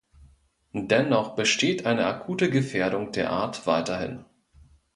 Dennoch besteht eine akute Gefährdung der Art weiterhin.